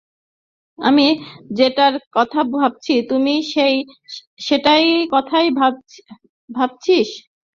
আমি যেটার কথা ভাবছি, তুই কি সেটার কথাই বলছিস?